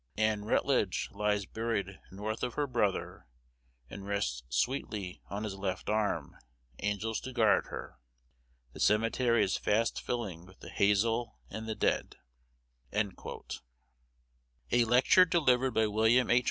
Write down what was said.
Ann Rutledge lies buried north of lier brother, and rests sweetly on his left arm, angels to guard her. The cemetery is fast filling with the hazel and the dead." A lecture delivered by William H.